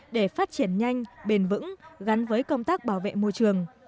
để phát triển nhanh bền vững gắn với công tác bảo vệ môi trường